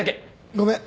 ごめん。